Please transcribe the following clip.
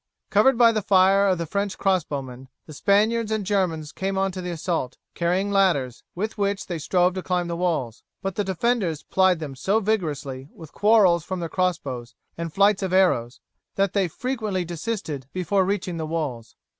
Covered by the fire of the French crossbowmen, the Spaniards and Germans came on to the assault, carrying ladders, with which they strove to climb the walls, but the defenders plied them so vigorously with quarrels from their cross bows and flights of arrows that they frequently desisted before reaching the walls.